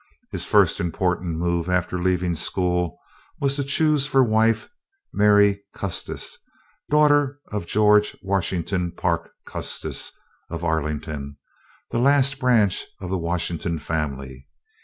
His first important move after leaving school was to choose for wife Mary Custis, daughter of George Washington Parke Custis of Arlington, the last branch of the Washington family.